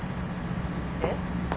えっ？